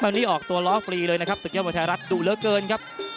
วันนี้ออกตัวล้อฟรีเลยนะครับศึกยอดมวยไทยรัฐดุเหลือเกินครับ